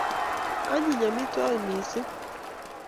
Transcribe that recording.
anyiny amitwagik missing